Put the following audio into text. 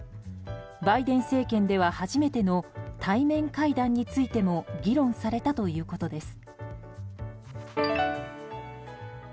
バイデン政権では初めての対面会談についても議論されたということです。